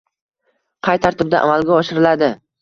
qay tartibda amalga oshiriladi?